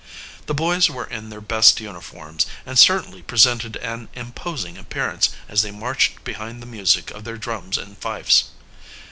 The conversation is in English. The boys were in their best uniforms, and certainly presented an imposing appearance as they marched behind the music of their drums and fifes.